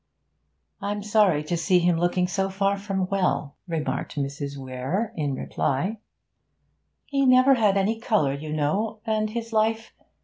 'I'm sorry to see him looking so far from well,' remarked Mrs. Weare, in reply. 'He never had any colour, you know, and his life...